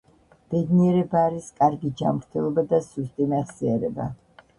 ბედნიერება არის კარგი ჯანმრთელობა და სუსტი მეხსიერება.